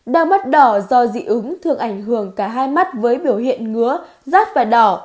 đau mắt đỏ do dị ứng thường ảnh hưởng cả hai mắt với biểu hiện ngứa rát và đỏ